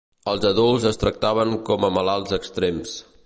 Els adults es tractaven com a malalts externs.